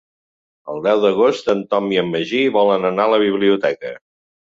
El deu d'agost en Tom i en Magí volen anar a la biblioteca.